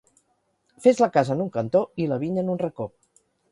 Fes la casa en un cantó i la vinya en un racó.